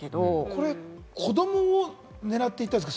これ、子供をねらっていたんですか？